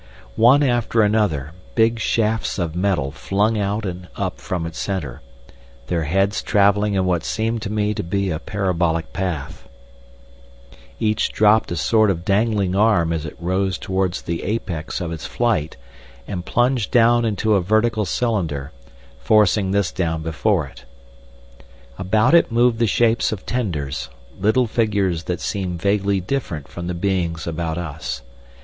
One after another, big shafts of metal flung out and up from its centre, their heads travelling in what seemed to me to be a parabolic path; each dropped a sort of dangling arm as it rose towards the apex of its flight and plunged down into a vertical cylinder, forcing this down before it. About it moved the shapes of tenders, little figures that seemed vaguely different from the beings about us.